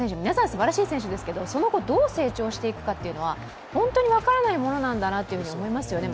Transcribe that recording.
すばらしい選手ですけど、その後、どう成長していくかというのは本当に分からないものなんだと思いますよね。